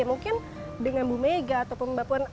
mungkin dengan bu mega ataupun mbak puan